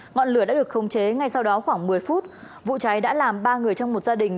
ngọn lửa đã được khống chế ngay sau đó khoảng một mươi phút vụ cháy đã làm ba người trong một gia đình